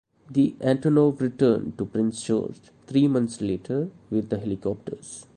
The Antonov returned to Prince George three months later with the helicopters.